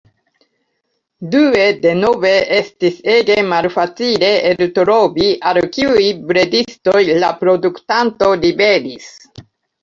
Due, denove estis ege malfacile eltrovi al kiuj bredistoj la produktanto liveris.